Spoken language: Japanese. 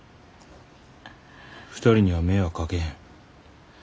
２人には迷惑かけへん。